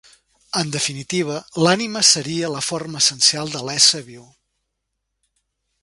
En definitiva, l'ànima seria la forma essencial de l'ésser viu.